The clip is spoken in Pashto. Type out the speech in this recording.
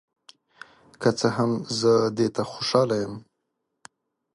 که څه هم، زه دې ته خوشحال یم.